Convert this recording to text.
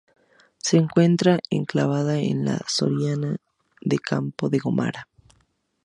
Se encuentra enclavada en la soriana de Campo de Gómara.